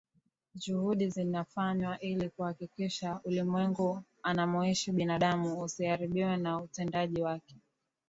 Juhudi zinafanywa ili kuhakikisha ulimwengu anamoishi binadamu usiharibiwe na utendaji wake